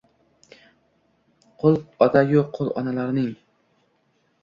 Qul ota-yu, qul onalarning